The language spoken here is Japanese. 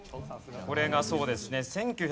これがそうですね